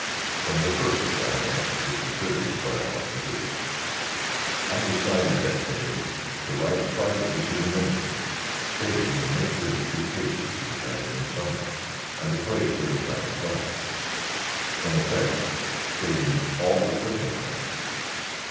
From the first, I had anxiously considered what I ought to do. I decided, that day, to write privately to the Minister, stating the nature of the two cases to which I had been summoned, and the place to which I had gone: in effect, stating all the circumstances.